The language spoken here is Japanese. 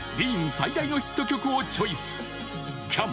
最大のヒット曲をチョイス喜矢武